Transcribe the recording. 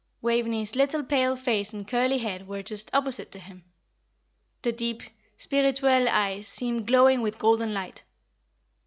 Waveney's little pale face and curly head were just opposite to him; the deep, spirituelle eyes seemed glowing with golden light.